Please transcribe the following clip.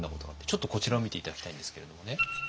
ちょっとこちらを見て頂きたいんですけれどもね。